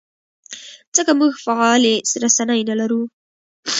ځکه موږ فعالې رسنۍ نه لرو.